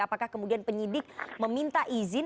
apakah kemudian penyidik meminta izin atau memberikan izin